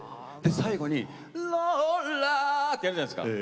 最後に「ローラ」ってやるじゃないですか。